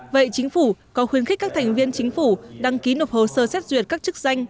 vậy chính phủ có khuyến khích các thành viên chính phủ đăng ký nộp hồ sơ xét duyệt các chức danh